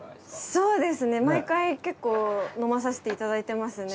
そうですね毎回結構飲まさせていただいてますね。